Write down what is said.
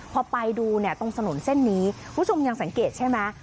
พอไปดูตรงสนุนเส้นนี้คุณชมยังสังเกตใช่ไหม